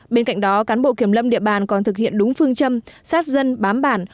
bên cạnh đó cán bộ kiểm lâm địa bàn còn thực hiện đúng phương châm sát dân bám bản